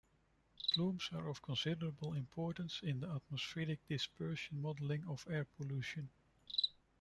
Plumes are of considerable importance in the atmospheric dispersion modelling of air pollution.